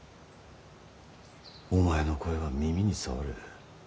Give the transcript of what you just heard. お前の声は耳に障る。